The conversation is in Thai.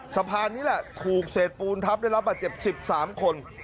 สะพานนี้แหละถูกเศษปูนทับได้รับบาดเจ็บ๑๓คน